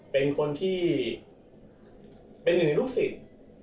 เป็นคนที่เป็นหนึ่งลูกศิษย์